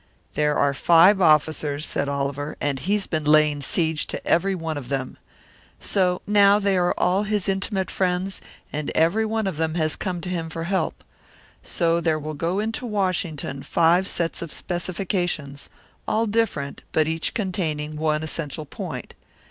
"There are five officers," said Oliver, "and he's been laying siege to every one of them. So now they are all his intimate friends, and every one of them has come to him for help! So there will go into Washington five sets of specifications, all different, but each containing one essential point.